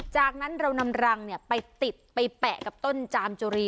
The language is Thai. จากนั้นเรานำรังไปติดไปแปะกับต้นจามจุรี